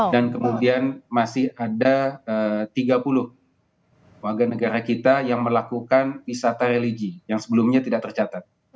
dan kemudian masih ada tiga puluh warga negara kita yang melakukan wisata religi yang sebelumnya tidak tercatat